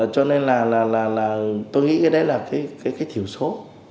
cho nên là tôi nghĩ cái đấy là cái thiểu số